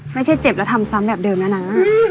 ครับถ้าเจ็บต่อก็ทำแบบเดิมนานา